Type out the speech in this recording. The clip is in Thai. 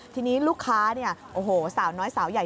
ทีนี้ลูกค้าเนี่ยโอ้โหสาวน้อยสาวใหญ่